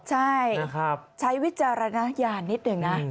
ใช่ใช้วิจารณญาณนิดหนึ่งนะ